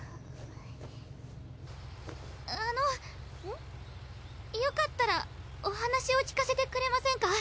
あのよかったらお話を聞かせてくれませんか？